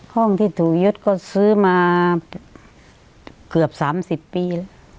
ห้องที่ถูยศก็ซื้อมาเกือบสามสิบปี